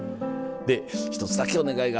で一つだけお願いが。